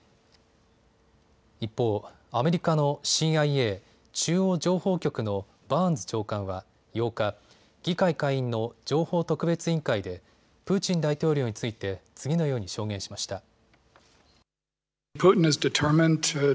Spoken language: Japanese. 一方、アメリカのＣＩＡ・中央情報局のバーンズ長官は８日、議会下院の情報特別委員会でプーチン大統領について次のように証言しました。